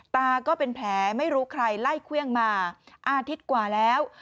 ตาก็เป็นแผลไม่รู้ใครไล่เครื่องมาอาทิตย์กว่าแล้ว